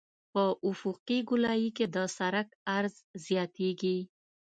په افقي ګولایي کې د سرک عرض زیاتیږي